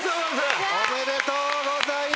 ありがとうございます！